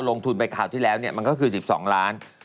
ลงทุนไปคราวที่แล้วมันก็คือ๑๒ล้าน